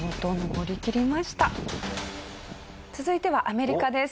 続いてはアメリカです。